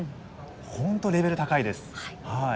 本当レベル高いです。